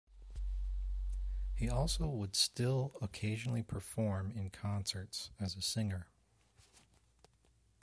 He also would still occasionally perform in concerts as a singer.